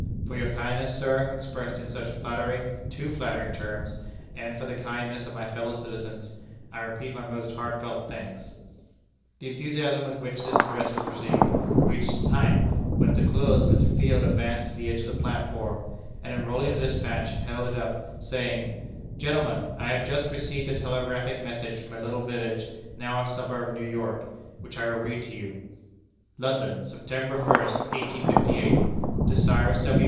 For your kindness, sir, expressed in such flattering, too flattering terms, and for the kindness of my fellow citizens, I repeat my most heartfelt thanks." The enthusiasm with which this address was received reached its height, when at the close, Mr. Field advanced to the edge of the platform, and unrolling a despatch, held it up, saying: "Gentlemen, I have just received a telegraphic message from a little village, now a suburb of New York, which I will read to you: "London, September 1, 1858. "To Cyrus W.